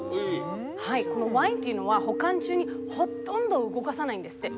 ワインっていうのは保管中にほとんど動かさないんですって。